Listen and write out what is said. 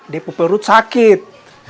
depo perut sakit